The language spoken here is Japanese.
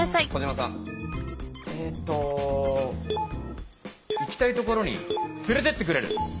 えっと行きたいところに連れてってくれる！